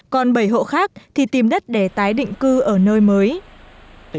còn bảy hộ khác thì tìm đất để tái định cư ở nơi mới